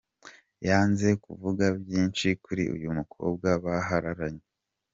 Yanze kuvuga byinshi kuri uyu mukobwa bahararanye.